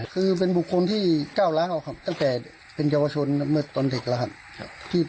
คือเป็นบุคคลที่ก้าวร้างเราครับตั้งแต่เป็นเยาวชนเมื่อตอนเด็กแล้วครับ